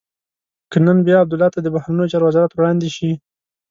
که نن بیا عبدالله ته د بهرنیو چارو وزارت وړاندې شي.